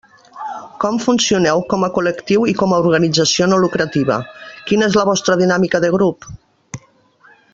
Com funcioneu com a col·lectiu i com a organització no lucrativa: quina és la vostra dinàmica de grup?